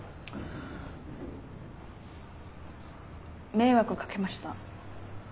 迷惑かけました。